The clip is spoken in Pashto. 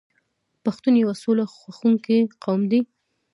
پښتون یو سوله خوښوونکی قوم دی.